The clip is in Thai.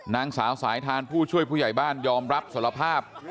นางสาวสายทานผู้ช่วยผู้ใหญ่บ้านยอมรับสารภาพ